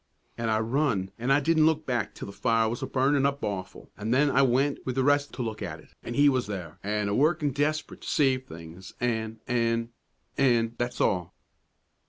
"An' I run, an' I didn't look back till the fire was a burnin' up awful; an' then I went with the rest to look at it; an' he was there, an' a workin' desperate to save things, an' an' an' that's all."